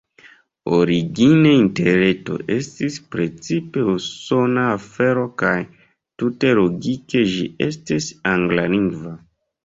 Origine Interreto estis precipe usona afero kaj, tute logike, ĝi estis anglalingva.